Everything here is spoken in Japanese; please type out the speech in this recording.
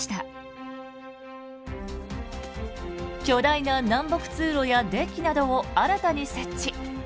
巨大な南北通路やデッキなどを新たに設置。